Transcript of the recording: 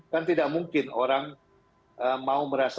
kan tidak mungkin orang mau merasa